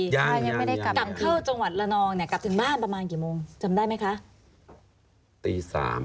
ยังไม่ได้กลับทันที